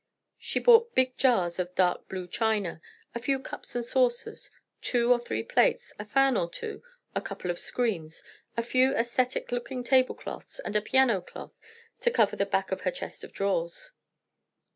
She bought big jars of dark blue china, a few cups and saucers, two or three plates, a fan or two, a couple of screens, a few æsthetic looking tablecloths, and a piano cloth to cover the back of her chest of drawers.